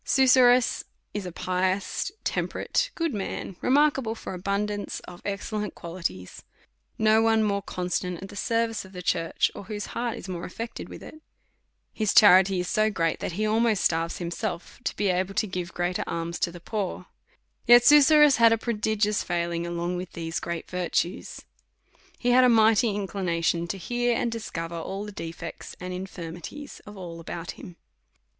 Susurrus is a pious, temperate, good man, remark able for abundance of excellent qualities. No one more constant at the service of the church, or whose heart is more affected with it. His charity is so great, that he almost starves himself, to be able to give great er alms to the poor. Yet Susurrus had a prodigious failing along with these great virtues. He had a mighty inclination to hear and discover all the defects and infirmities of all about him.